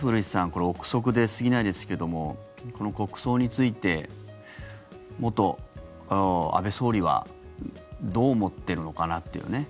これ臆測に過ぎないですけどもこの国葬について元安倍総理はどう思っているのかなっていう。